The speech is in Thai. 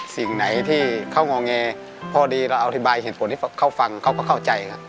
สิ่งไหนที่เขางอแงพอดีเราอธิบายเหตุผลให้เขาฟังเขาก็เข้าใจ